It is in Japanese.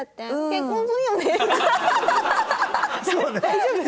大丈夫？